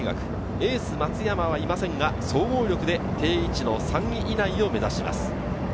エース・松山はいませんが総合力で定位置の３位以内を目指します。